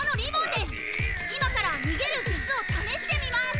今から逃げる術をためしてみます。